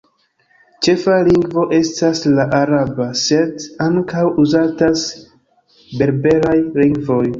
Ĉefa lingvo estas la araba, sed ankaŭ uzatas berberaj lingvoj.